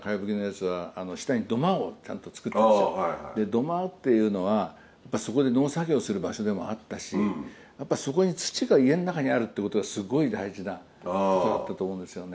土間っていうのはそこで農作業する場所でもあったしそこに土が家の中にあるってことがすごい大事なことだったと思うんですよね。